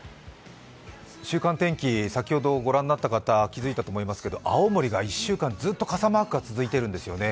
週間天気、先ほど御覧になった方気づいていると思いますが青森が１週間ずっと傘マークがついているんですよね。